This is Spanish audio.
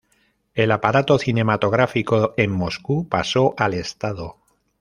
El aparato cinematográfico en Moscú pasó al Estado.